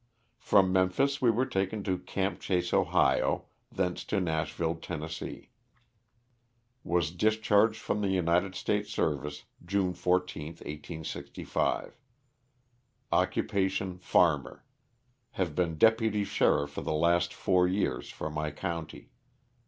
From Memphis we were taken to "Camp Chase," Ohio, thence to Nashville, Tenn. Was discharged from the United States service June 14, 1865. Occupation, farmer. Have been deputy sheriff for the last four years for my county.